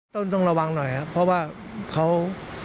ต้องระวังหน่อยครับเพราะว่าเขา